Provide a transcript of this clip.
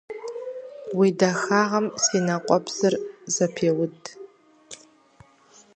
Уи дахагъэм си нэ къуэпсыр зэпеуд.